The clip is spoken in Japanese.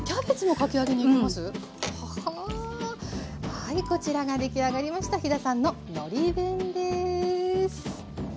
はいこちらが出来上がりました飛田さんののり弁です。